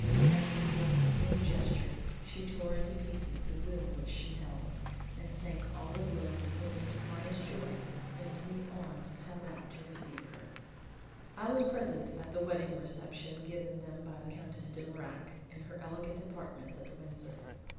And with one supreme gesture she tore into pieces the will which she held, and sank all aglow with woman's divinest joy into the arms held out to receive her. I was present at the wedding reception given them by the Countess De Mirac in her elegant apartments at the Windsor.